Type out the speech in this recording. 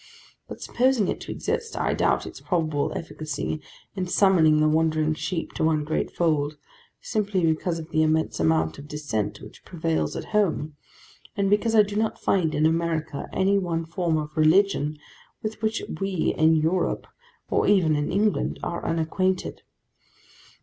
But, supposing it to exist, I doubt its probable efficacy in summoning the wandering sheep to one great fold, simply because of the immense amount of dissent which prevails at home; and because I do not find in America any one form of religion with which we in Europe, or even in England, are unacquainted.